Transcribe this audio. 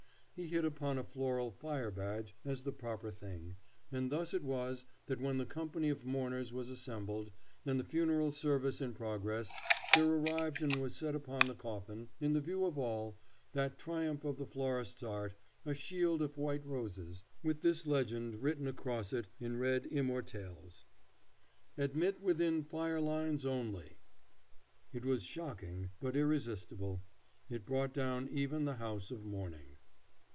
He hit upon a floral fire badge as the proper thing, and thus it was that when the company of mourners was assembled, and the funeral service in progress, there arrived and was set upon the coffin, in the view of all, that triumph of the florist's art, a shield of white roses, with this legend written across it in red immortelles: "Admit within fire lines only." It was shocking, but irresistible. It brought down even the house of mourning.